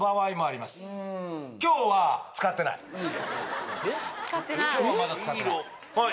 今日はまだ使ってない。